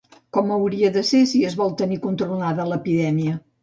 Com hauria de ser si es vol tenir controlada l'epidèmia?